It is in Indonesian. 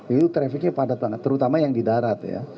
itu trafficnya padat banget terutama yang di darat ya